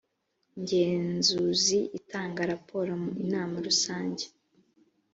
ngenzuzi itanga raporo mu inama rusange